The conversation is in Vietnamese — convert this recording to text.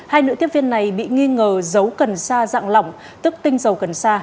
hai nữ tiếp viên này bị nghi ngờ dấu cần xa dạng lỏng tức tinh dầu cần xa